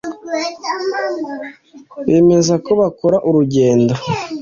bemeza ko bakora urugendo